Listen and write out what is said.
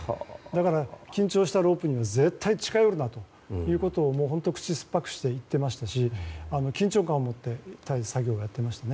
だから、緊張したロープには絶対に近寄るなということを本当、口酸っぱくして言ってましたし緊張感を持って作業をやっていました。